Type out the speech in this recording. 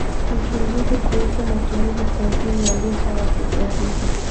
uchunguzi kuhusu matumizi sahihi ya lugha ya Kiswahili